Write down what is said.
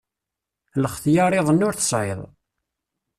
Lxetyar-iḍen ur t-tesεiḍ.